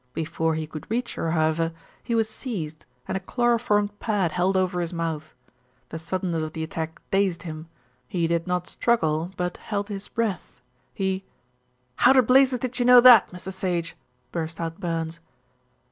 Before he could reach her, however, he was seized and a chloroformed pad held over his mouth. The suddenness of the attack dazed him; he did not struggle, but held his breath; he " "How the blazes did you know that, Mr. Sage?" burst out Burns.